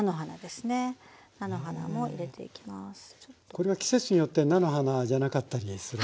これは季節によって菜の花じゃなかったりするんですね。